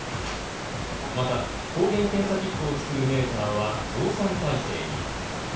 また抗原検査キットを作るメーカーは増産体制に。